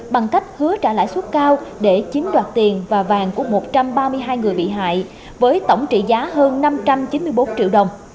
bằng cách hứa trả lãi suất cao để chiếm đoạt tiền và vàng của một trăm ba mươi hai người bị hại với tổng trị giá hơn năm trăm chín mươi bốn triệu đồng